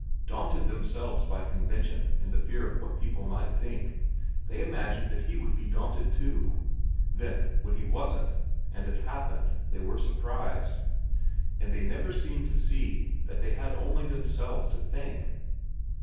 362 VERA Daunted themselves by convention and the fear of what people might think, they imagined that he would be daunted too. Then, when he wasn't, and it happened, they were surprised ; and they never seemed to see that they had only themselves to thank.